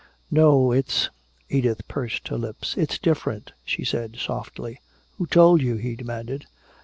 "No, it's " Edith pursed her lips. "It's different," she said softly. "Who told you?" he demanded.